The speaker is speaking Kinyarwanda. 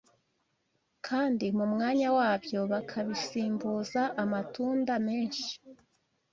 kandi mu mwanya wabyo bakabisimbuza amatunda menshi.